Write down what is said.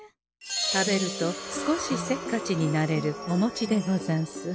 食べると少しせっかちになれるおもちでござんす。